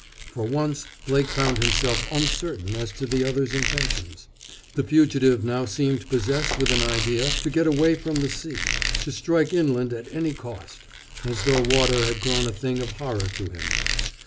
For once Blake found himself uncertain as to the other's intentions. The fugitive now seemed possessed with an idea to get away from the sea, to strike inland at any cost, as though water had grown a thing of horror to him.